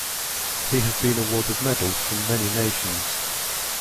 He has been awarded medals from many nations.